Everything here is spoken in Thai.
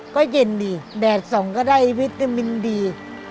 ก็เย็นดีแดดส่องก็ได้วิตามินดี